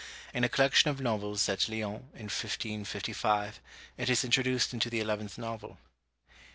In a collection of novels at Lyons, in 1555, it is introduced into the eleventh novel.